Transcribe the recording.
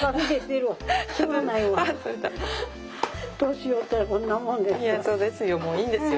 年とったらこんなもんですわ。